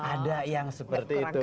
ada yang seperti itu